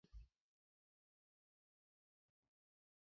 د سیاکا سټیونز په مشرۍ د ټولو خلکو کانګرس ګوند دوی ته ماته ورکړه.